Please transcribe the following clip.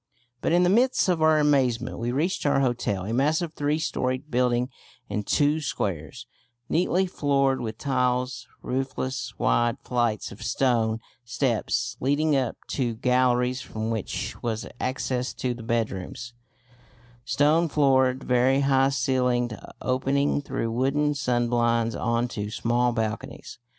But in the midst of our amazement we reached our hotel, a massive three storeyed building in two squares, neatly floored with tiles, roofless, wide flights of stone steps leading up to galleries from which was access to the bedrooms, stone floored, very high ceilinged, opening through wooden sunblinds on to small balconies.